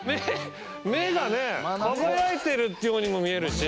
目目がね輝いてるようにも見えるし。